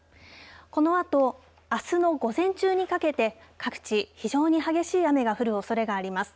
このあとあすの午前中にかけて各地、非常に激しい雨が降るおそれがあります。